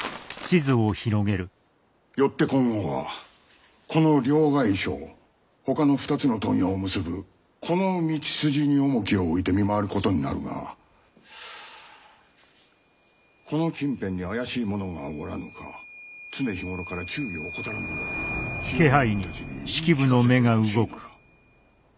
よって今後はこの両替商ほかの２つの問屋を結ぶこの道筋に重きを置いて見回ることになるがこの近辺に怪しい者がおらぬか常日頃から注意を怠らぬよう使用人たちに言い聞かせてほしいのだ。